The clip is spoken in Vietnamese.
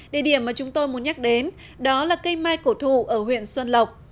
địa điểm mà chúng tôi muốn nhắc đến đó là cây mai cổ thụ ở huyện xuân lộc